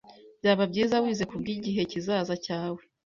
Byaba byiza wize kubwigihe kizaza cyawe.